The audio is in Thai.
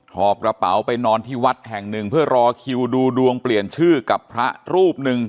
หอบกระเป๋าไปนอนที่วัดแห่งหนึ่งเพื่อรอคิวดูดวงเปลี่ยนชื่อกับพระรูปหนึ่ง